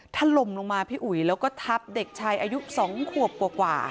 ถล่มลงมาพี่อุ๋ยแล้วก็ทับเด็กชายอายุ๒ขวบกว่า